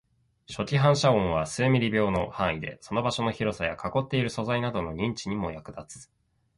初期反射音は数ミリ秒の範囲で、その場所の広さや囲っている素材などの認知にも役立つ